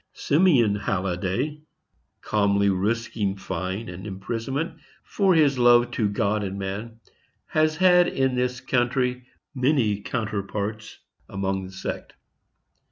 Simeon Halliday, calmly risking fine and imprisonment for his love to God and man, has had in this country many counterparts among the sect.